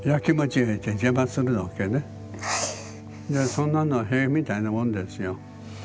そんなのは屁みたいなもんですよ。